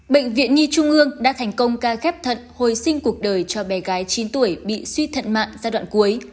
bệnh viện nhi trung ương đã thành công ca ghép thận hồi sinh cuộc đời cho bé gái chín tuổi bị suy thận mạng giai đoạn cuối